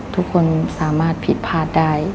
ทุกคนสามารถผิดพลาดได้